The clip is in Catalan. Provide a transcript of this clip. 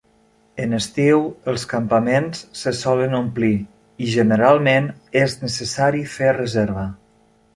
En estiu els campaments se solen omplir, i generalment és necessari fer reserva.